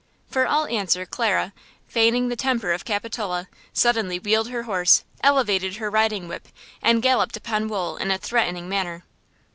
For all answer Clara, feigning the temper of Capitola, suddenly wheeled her horse, elevated her riding whip and galloped upon Wool in a threatening manner.